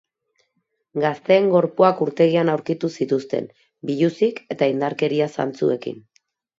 Gazteen gorpuak urtegian aurkitu zituzten, biluzik eta indarkeria zantzuekin.